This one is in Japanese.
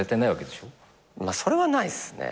まあそれはないっすね。